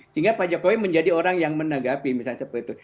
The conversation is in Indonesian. sehingga pak jokowi menjadi orang yang menanggapi misalnya seperti itu